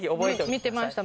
見てました。